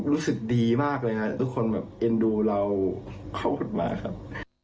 รู้สึกดีมากเลยครับทุกคนแบบเอ็นดูเราขอบคุณมากครับ